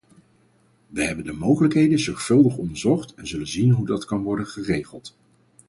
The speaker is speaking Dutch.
We hebben de mogelijkheden zorgvuldig onderzocht en zullen zien hoe dat kan worden geregeld.